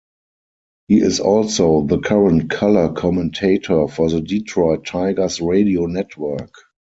He is also the current color commentator for the Detroit Tigers Radio Network.